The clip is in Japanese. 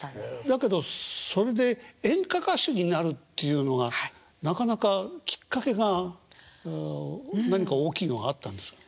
だけどそれで演歌歌手になるっていうのはなかなかきっかけが何か大きいのがあったんですか？